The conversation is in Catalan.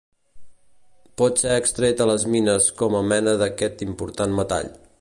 Pot ser extret a les mines com a mena d'aquest important metall.